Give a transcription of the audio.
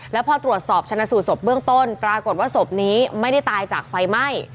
แล้วพอตรวจสอบชนะสูตรศพเบื้องต้นปรากฏว่าศพนี้ไม่ได้ตายจากไฟไหม้